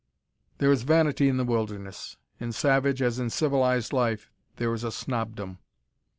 There is vanity in the wilderness. In savage as in civilised life there is a "snobdom."